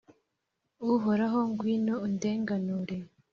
Uhoraho, ngwino undenganure.